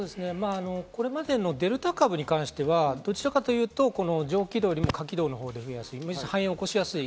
これまでのデルタ株に関してはどちらかというと上気道よりも下気道、肺炎を起こしやすい。